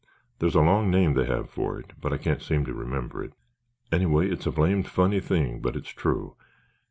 There's a long name they have for it, but I can't seem to remember it. Anyway, it's a blamed funny thing, but it's true.